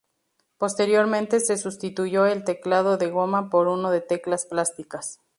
Posteriormente se sustituyó el teclado de goma por uno de teclas plásticas.